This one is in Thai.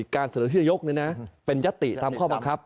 การเสนอชื่อนายกเป็นยัตติตามข้อบังคับ